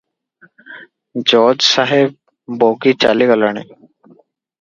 ଜଜ୍ ସାହେବ ବଗି ଚାଲିଗଲାଣି ।